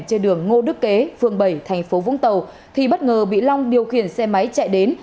trên đường ngô đức kế phường bảy thành phố vũng tàu thì bất ngờ bị long điều khiển xe máy chạy đến